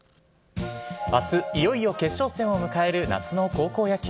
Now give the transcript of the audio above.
あす、いよいよ決勝戦を迎える夏の高校野球。